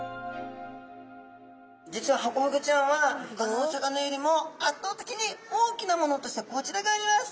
実はハコフグちゃんはほかのお魚よりも圧倒的に大きなものとしてこちらがあります。